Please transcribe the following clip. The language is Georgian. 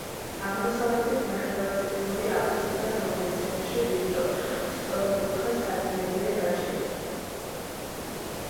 აღმოსავლეთით ნახევარწრიული აფსიდია, რომლის ცენტრში ვიწრო, სწორკუთხა სარკმელია გაჭრილი.